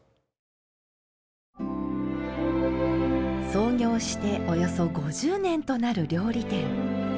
創業しておよそ５０年となる料理店。